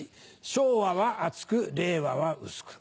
昭和は厚く令和は薄く。